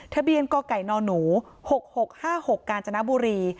ทะเบียนกไก่นหนู๖๖๕๖กาญจนบุรี